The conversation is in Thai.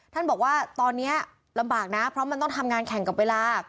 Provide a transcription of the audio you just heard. ท่านบอกว่าตอนนี้ลำบากนะเพราะมันต้องทำงานแข่งกับเวลา